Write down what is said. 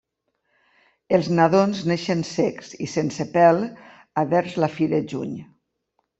Els nadons neixen cecs i sense pèl a vers la fi de juny.